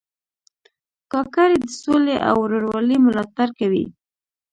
کاکړي د سولې او ورورولۍ ملاتړ کوي.